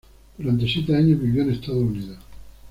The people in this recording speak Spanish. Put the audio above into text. Durante siete años, vivió en Estados Unidos.